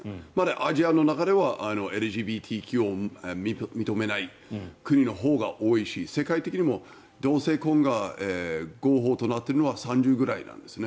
アジアの中ではＬＧＢＴＱを認めない国のほうが多いし世界的にも同性婚が合法となっているのは３０くらいなんですね。